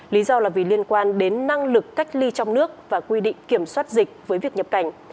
lý do là vì liên quan đến năng lực cách ly trong nước và quy định kiểm soát dịch với việc nhập cảnh